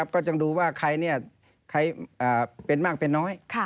ก็ต้องดูว่าใครเป็นมากเป็นน้อย